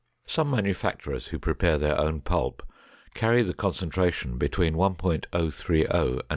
Some manufacturers who prepare their own pulp carry the concentration between 1.030 and 1.